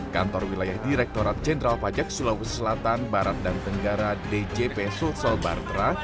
kantor wilayah direktorat jenderal pajak sulawesi selatan barat dan tenggara djp sulsel bartra